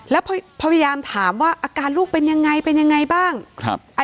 แล้วพยายามถามว่าอาการลูกเป็นยังไงเป็นยังไงบ้างครับ